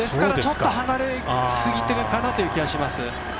ちょっと離れすぎてるかなという気がします。